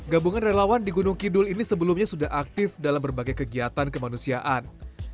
gabungan relawan di gunung kidul ini sebelumnya sudah aktif dalam berbagai kegiatan kemanusiaan